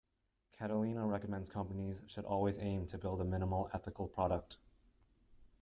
Catelina recommends companies should always aim to build a minimum ethical product.